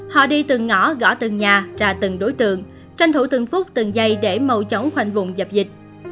họ đi từng ngõ gõ từng nhà ra từng đối tượng tranh thủ từng phút từng giây để màu chống hoành vùng dập dịch